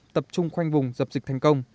tập trung khoanh vùng dập dịch thành công